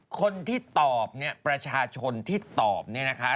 คนที่ตอบเนี่ยประชาชนที่ตอบเนี่ยนะคะ